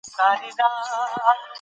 ښوونکی د هر شاګرد لپاره مهم دی.